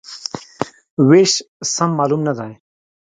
وېش سم معلوم نه دی.